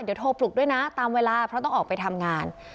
เดี๋ยวโทรปลุกด้วยนะตามเวลาเพราะต้องออกไปทำงาน